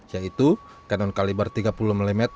yaitu kanon kaliber tiga puluh mm